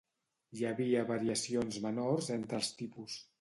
Hi havia variacions menors entre els tipus.